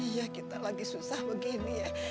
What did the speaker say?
iya kita lagi susah begini ya